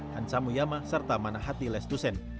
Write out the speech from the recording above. hansamuyama serta manahati lestusen